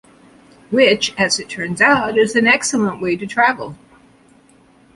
Which, as it turns out, is an excellent way to travel.